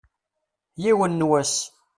Yiwen n wass.